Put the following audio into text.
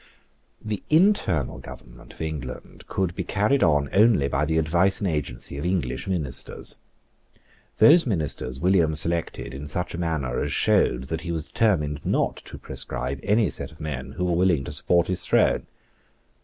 The internal government of England could be carried on only by the advice and agency of English ministers. Those ministers William selected in such a manner as showed that he was determined not to proscribe any set of men who were willing to support his throne.